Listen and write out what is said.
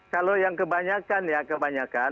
kalau yang kebanyakan ya kebanyakan